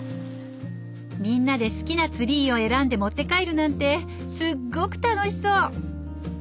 みんなで好きなツリーを選んで持って帰るなんてすっごく楽しそう！